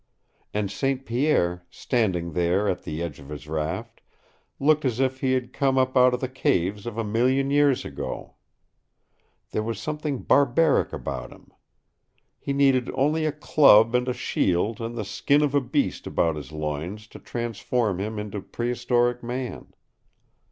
And St. Pierre, standing there at the edge of his raft, looked as if he had come up out of the caves of a million years ago! There was something barbaric about him. He needed only a club and a shield and the skin of a beast about his loins to transform him into prehistoric man.